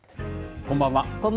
こんばんは。